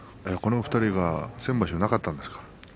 この２人は先場所なかったんですか。